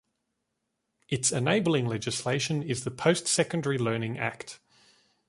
Its enabling legislation is the Post-secondary Learning Act.